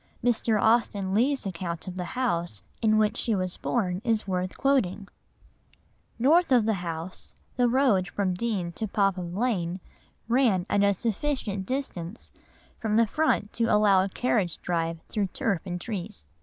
Mr. Austen Leigh's account of the house in which she was born is worth quoting— "North of the house, the road from Deane to Popham Lane ran at a sufficient distance from the front to allow a carriage drive through turf and trees.